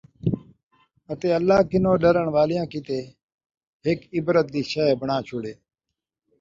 اَتے اللہ کنوں ݙرݨ والیاں کِیتے ہِک عبرت دِی شئے بݨا چھوڑیے ۔